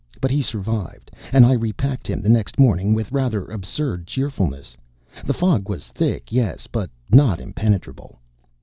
But he survived, and I repacked him the next morning with rather absurd cheerfulness. The fog was thick, yes, but not impenetrable.